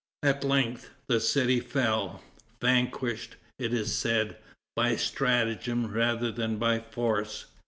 At length the city fell, vanquished, it is said, by stratagem rather than by force.